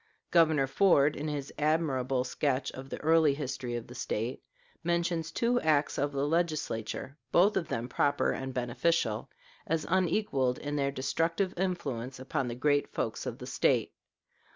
Governor Ford, in his admirable sketch of the early history of the State, mentions two acts of the Legislature, both of them proper and beneficial, as unequaled in their destructive influence upon the great folks of the State.